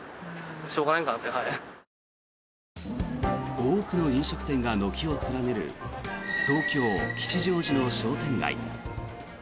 多くの飲食店が軒を連ねる東京・吉祥寺の商店街。